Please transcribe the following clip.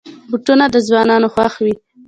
بوټونه د ځوانانو خوښ وي.